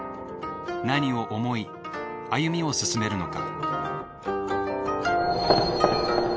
何を思い歩みを進めるのか。